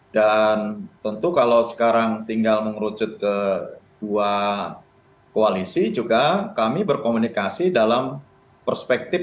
dan tentu kalau sekarang tinggal mengerucut ke dua koalisi juga kami berkomunikasi dalam perspektif